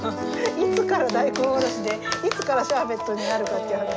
いつから大根おろしでいつからシャーベットになるかっていう話？